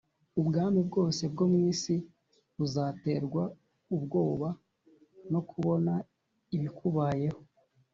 Ubwami bwose bwo mu isi buzaterwa ubwoba no kubona ibikubayeho.